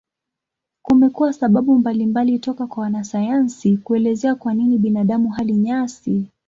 Kumekuwa sababu mbalimbali toka kwa wanasayansi kuelezea kwa nini binadamu hali nyasi.